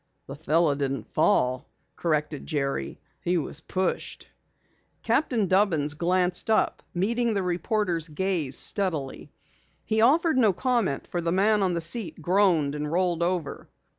"The fellow didn't fall," corrected Jerry. "He was pushed." Captain Dubbins glanced up, meeting the reporter's gaze steadily. He offered no comment for the man on the seat groaned and rolled over.